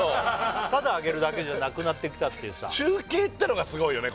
ただあげるだけじゃなくなってきたっていうさ中継ってのがすごいよね